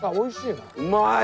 うまい！